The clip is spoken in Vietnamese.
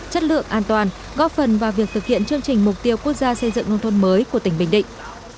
chất lượng an toàn góp phần vào việc thực hiện chương trình mục tiêu quốc gia xây dựng nông thôn mới của tỉnh bình định